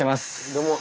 どうも。